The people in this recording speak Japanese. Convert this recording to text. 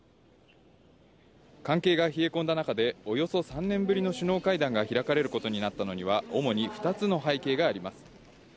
関係が冷え込んだ中で、およそ３年ぶりの首脳会談が開かれることになったのには、主に２つの背景があります。